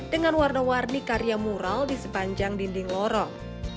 dengan warna warni karya mural di sepanjang dinding lorong